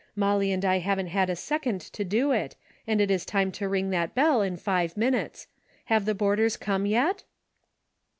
Molly and I haven't a second to do it, and it is time to ring that bell in five minutes. Have the boarders come yet